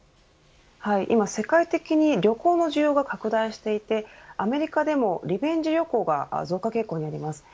今、世界的に旅行の需要が拡大していてアメリカでもリベンジ旅行が増加傾向にあります。